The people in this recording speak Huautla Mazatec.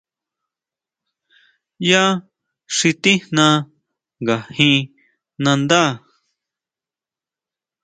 Ya xi tijna nga jin nandá.